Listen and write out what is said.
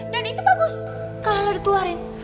dan itu bagus kalau lo dikeluarin